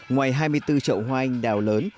ngoài hai mươi bốn trậu hoa anh đào lớn